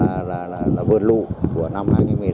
cái phương hành là vượt lưu của năm hai nghìn một mươi sáu